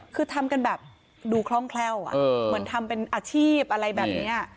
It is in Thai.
คือทำกันแบบดูคล่องแคล่วเหมือนทำเป็นอาชีพอะไรแบบนี้